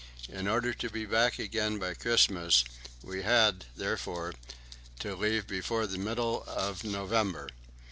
In order to be back again by Christmas, we had, therefore, to leave before the middle of November.